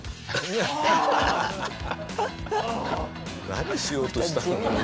何しようとしたの？